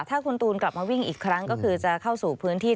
ถ้าคุณตูนกลับมาวิ่งอีกครั้งก็คือจะเข้าสู่พื้นที่